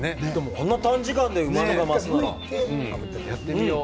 あの短時間でうまみが増すなら、やってみよう。